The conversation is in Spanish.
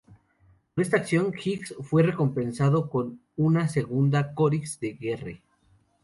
Por esta acción, Hicks fue recompensado con una segunda Croix de Guerre.